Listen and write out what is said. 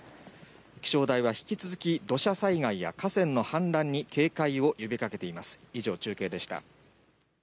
気象台は引き続き土砂災害や河川の氾濫に警戒を呼びかけています。